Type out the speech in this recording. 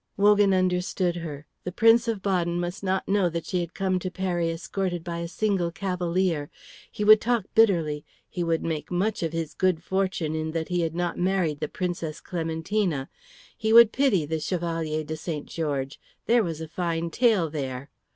Wogan understood her. The Prince of Baden must not know that she had come to Peri escorted by a single cavalier. He would talk bitterly, he would make much of his good fortune in that he had not married the Princess Clementina, he would pity the Chevalier de St. George, there was a fine tale there.